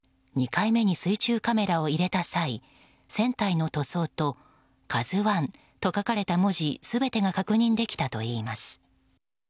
２回目に水中カメラを入れた際船体の塗装と「ＫＡＺＵ１」と書かれた文字全てが確認できたといいます。